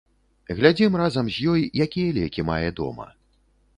Глядзім разам з ёй, якія лекі мае дома.